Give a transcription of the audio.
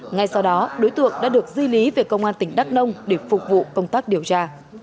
ngay sau đó đối tượng đã được di lý về công an tỉnh đắk nông để phục vụ công tác điều tra